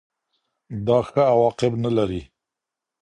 دا ښه عواقب نلري.